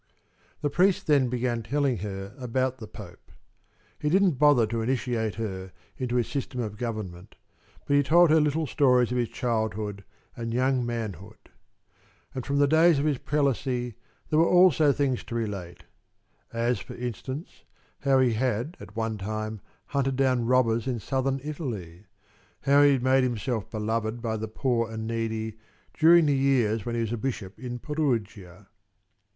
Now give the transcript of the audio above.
The priest then began telling her about the Pope. He didn't bother to initiate her into his system of government, but he told her little stories of his childhood and young manhood. And from the days of his prelacy there were also things to relate as, for instance, how he had at one time hunted down robbers in southern Italy, how he had made himself beloved by the poor and needy during the years when he was a bishop in Perugia.